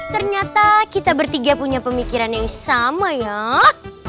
ternyata kita bertiga punya pemikiran yang sama ya